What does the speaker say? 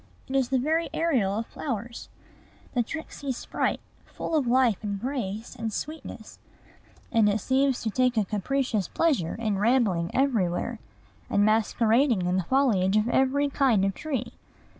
It is the very Ariel of flowers, the tricksy sprite, full of life and grace and sweetness; and it seems to take a capricious pleasure in rambling everywhere, and masquerading in the foliage of every kind of tree.